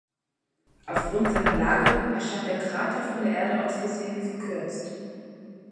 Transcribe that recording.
Auf Grund seiner Lage erscheint der Krater von der Erde aus gesehen verkürzt.